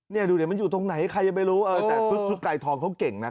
นี่ดูเดี๋ยวมันอยู่ตรงไหนใครยังไม่รู้เออแต่ชุดไกรทองเขาเก่งนะ